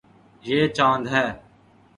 یے چاند ہے